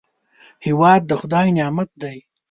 هېواد د خدای نعمت دی